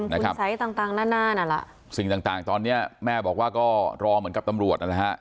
นะครับคุณไสต่างต่างนานนั่นล่ะสิ่งต่างต่างตอนเนี้ยแม่บอกว่าก็รอเหมือนกับตำรวจนั่นล่ะฮะ